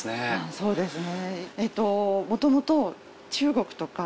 そうですね。